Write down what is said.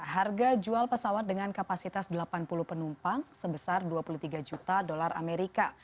harga jual pesawat dengan kapasitas delapan puluh penumpang sebesar dua puluh tiga juta dolar amerika